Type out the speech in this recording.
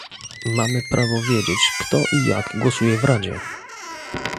Mamy prawo wiedzieć, kto i jak głosuje w Radzie